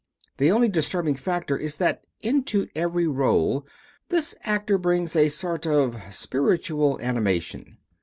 The only disturbing factor is that into every rôle this actor brings a sort of spiritual animation.